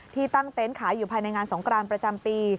ที่ตั้งเต็นต์ขายอยู่ภายในงานสงกรานประจำปี